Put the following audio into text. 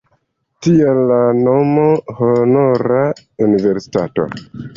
Tial la nomo 'Honora universitato'.